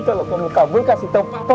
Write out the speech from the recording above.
kalau kamu kabur kasih tau apa